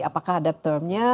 apakah ada term nya